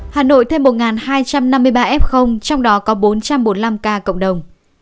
hà nội thêm một hai trăm năm mươi ba f trong đó có bốn trăm bốn mươi năm ca cộng đồng